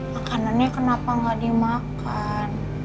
makanannya kenapa gak dimakan